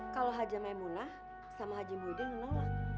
kalau haji maimunah sama haji muhyiddin nolak